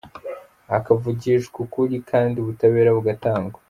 hakavugishwa ukuri kandi ubutabera bugatangwa